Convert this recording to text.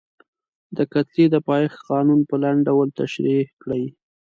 د کتلې د پایښت قانون په لنډ ډول تشریح کړئ.